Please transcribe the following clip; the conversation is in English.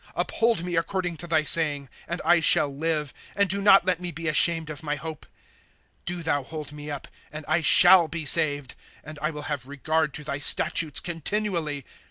^ Uphold me according to thy saying, and I shall live ; And do not let me be ashamed of my hope. ' Do thou hold me up, and I shall be saved ; And I will have regard to thy statutes continually.